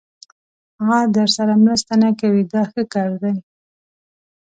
هغه درسره مرسته نه کوي دا ښه کار دی.